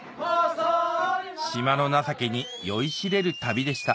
島の情けに酔いしれる旅でした